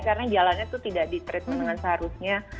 karena jalannya itu tidak di treatment dengan seharusnya